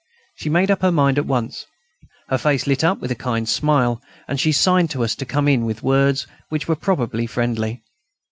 She made up her mind at once. Her face lit up with a kind smile, and she signed to us to come in, with words which were probably friendly.